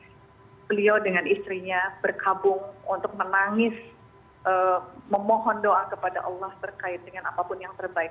dan saya juga berharap bahwa saya bisa menangis dengan istrinya berkabung untuk menangis memohon doa kepada allah terkait dengan apapun yang terbaik